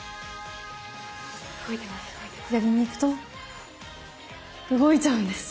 左に行くと動いちゃうんです！